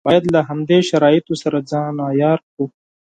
باید له همدې شرایطو سره ځان عیار کړو.